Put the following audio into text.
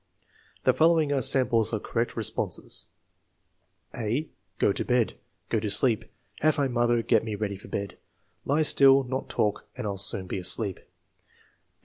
The following are samples of correct re sponses: (a) "Go to bed." "Go to sleep." "Have my mother get me ready for bed." "Lie still, not talk, and I'll soon be asleep."